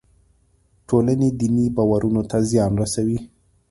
ټولنې دیني باورونو ته زیان رسوي.